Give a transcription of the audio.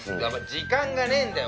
時間がねえんだよ。